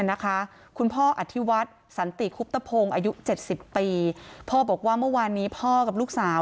นะคะคุณพ่ออธิวัติสันติครุปตะโพงอายุ๗๐ปีพ่อบอกว่าเมื่อวานนี้พ่อกับลูกสาว